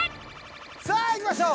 さあいきましょう。